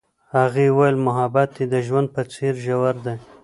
هغې وویل محبت یې د ژوند په څېر ژور دی.